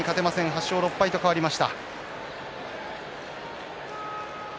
８勝６敗と変わりました。